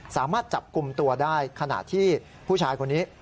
สามารถจับกลุ่มตัวได้ขณะที่ผู้ชายคนนี้